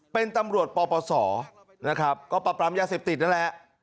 เป็นตำรวจปปศนะครับก็ปรับปรามยาเสพติดนั่นแหละ